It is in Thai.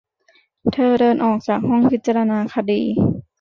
เธอเดินออกจากห้องพิจารณาคดี